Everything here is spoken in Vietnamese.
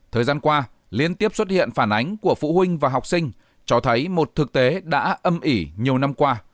thời gian qua liên tiếp xuất hiện phản ánh của phụ huynh và học sinh cho thấy một thực tế đã âm ỉ nhiều năm qua